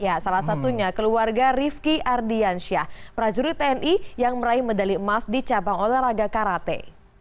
ya salah satunya keluarga rifki ardiansyah prajurit tni yang meraih medali emas di cabang olahraga karate